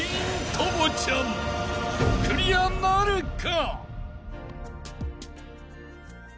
［クリアなるか？］